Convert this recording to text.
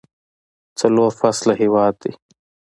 څلور فصله هیواد دی.